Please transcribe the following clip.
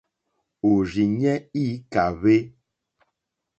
Òrzìɲɛ́ î kàhwé.